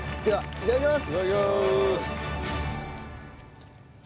いただきます。